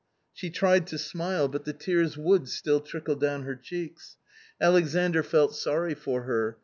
^Sne tried to smile, but the tears would still trickle down her cheeks. Alexandr felt sorry for her.